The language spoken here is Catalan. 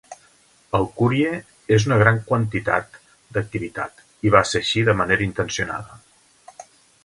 El curie es una gran quantitat d'activitat, i va ser així de manera intencionada.